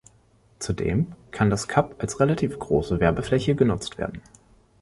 Zudem kann das Kap als relativ große Werbefläche genutzt werden.